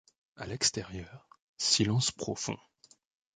À l’extérieur, silence profond.